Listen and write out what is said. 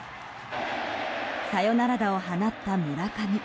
サヨナラ打を放った村上。